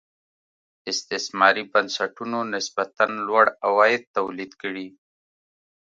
استثماري بنسټونو نسبتا لوړ عواید تولید کړي.